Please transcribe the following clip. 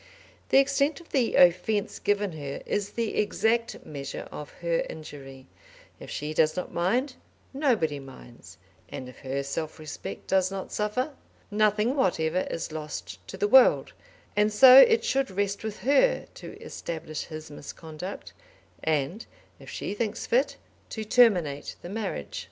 The extent of the offence given her is the exact measure of her injury; if she does not mind nobody minds, and if her self respect does not suffer nothing whatever is lost to the world; and so it should rest with her to establish his misconduct, and, if she thinks fit, to terminate the marriage.